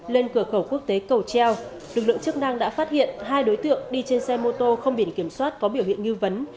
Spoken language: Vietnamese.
lên cửa khẩu quốc tế cầu treo lực lượng chức năng đã phát hiện hai đối tượng đi trên xe mô tô không biển kiểm soát có biểu hiện nghi vấn